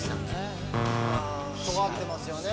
とがってますよね